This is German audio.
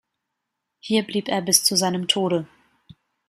Hier blieb er bis zu seinem Tode.